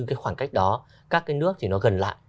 cái khoảng cách đó các cái nước thì nó gần lại